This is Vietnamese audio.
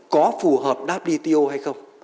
có phù hợp wto hay không